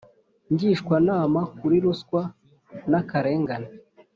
ngishwanama kuri ruswa n akarengane